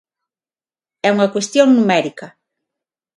É unha cuestión numérica.